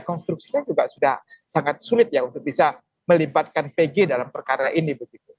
konstruksi kan juga sudah sangat sulit ya untuk bisa melibatkan pg dalam perkara ini begitu